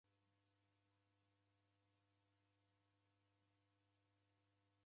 Uja mundu wonizera malagho ghipoie.